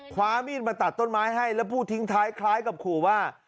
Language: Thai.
คว้ามีดมาตัดต้นไม้ให้แล้วพูดทิ้งท้ายคล้ายกับขู่ว่า